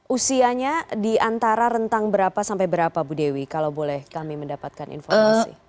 usianya di antara rentang berapa sampai berapa bu dewi kalau boleh kami mendapatkan informasi